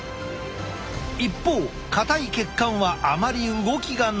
一方硬い血管はあまり動きがない。